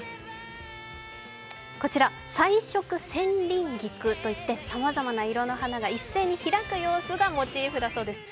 彩色千輪菊といってさまざまな色の花が一斉に開く様子がモチーフだそうです。